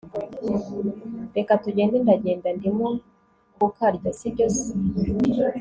reka tugende ndagenda ndimo kukarya! sibyo se!